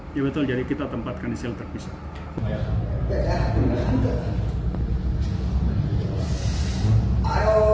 iya betul jadi kita tempatkan di shelter pisah